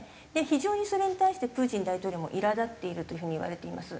非常にそれに対してプーチン大統領もいらだっているという風にいわれています。